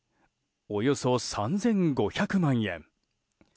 およそ３５００万円。